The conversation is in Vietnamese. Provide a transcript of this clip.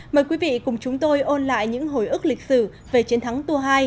mời quý vị cùng chúng tôi ôn lại những hồi ức lịch sử về chiến thắng tour hai